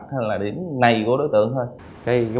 hay là điểm này của đối tượng thôi